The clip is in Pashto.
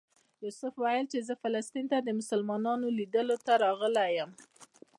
یوسف ویل چې زه فلسطین ته د مسلمانانو لیدلو ته راغلی یم.